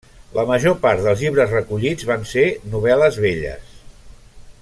La major part dels llibres recollits van ser novel·les velles.